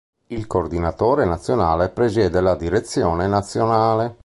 Il coordinatore nazionale presiede la direzione nazionale.